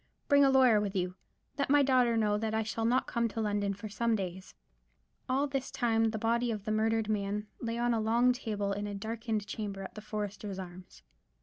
Bring a lawyer with you. Let my daughter know that I shall not come to London for some days_." All this time the body of the murdered man lay on a long table in a darkened chamber at the Foresters' Arms.